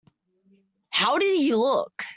How did he look?